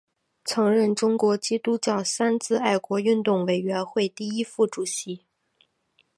曾任中国基督教三自爱国运动委员会第一届副主席。